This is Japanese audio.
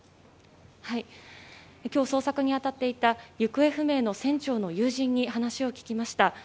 今日、捜索に当たっていた行方不明の船長の友人に話を聞きました。